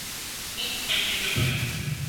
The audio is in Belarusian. Ну так не бывае.